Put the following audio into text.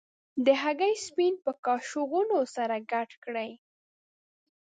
د هګۍ سپین په کاشوغه سره ګډ کړئ.